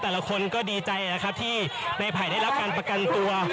แต่ละคนก็ดีใจนะครับที่ในไผ่ได้รับการประกันตัว